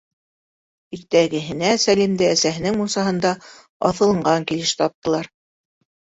...Иртәгәһенә Сәлимде әсәһенең мунсаһында аҫылынған килеш таптылар.